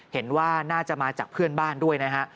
เห็นว่าน่าจะมาจากเพื่อนบ้านด้วยนะฮะ